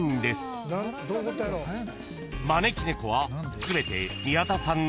［招き猫は全て］